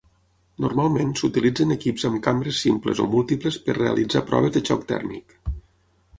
Normalment s'utilitzen equips amb cambres simples o múltiples per realitzar proves de xoc tèrmic.